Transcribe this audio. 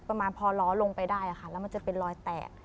ประมาณพอล้อลงไปได้ค่ะแล้วมันจะเป็นรอยแตก